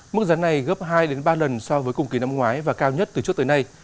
mức giá này gấp hai ba lần so với cùng kỳ năm ngoái và cao nhất từ trước tới nay